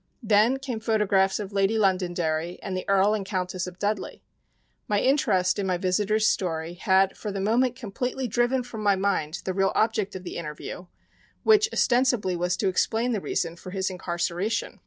Then came photographs of Lady Londonderry and the Earl and Countess of Dudley. My interest in my visitor's story had for the moment completely driven from my mind the real object of the interview, which, ostensibly, was to explain the reason for his incarceration.